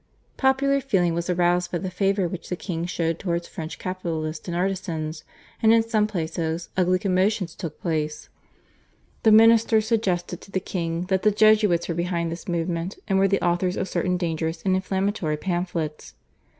Popular feeling was aroused by the favour which the king showed towards French capitalists and artisans, and in some places ugly commotions took place. The ministers suggested to the king that the Jesuits were behind this movement, and were the authors of certain dangerous and inflammatory pamphlets.